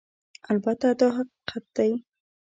البته دا حقیقت دی